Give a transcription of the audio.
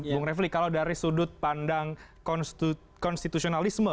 bung refli kalau dari sudut pandang konstitusionalisme